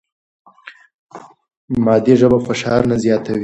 مادي ژبه فشار نه زیاتوي.